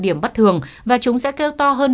điểm bất thường và chúng sẽ kêu to hơn